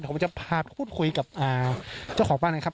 ผมจะพาพูดคุยกับเจ้าของบ้านนะครับ